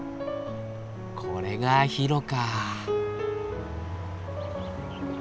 これがヒロか。